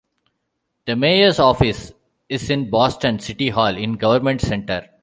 The mayor's office is in Boston City Hall, in Government Center.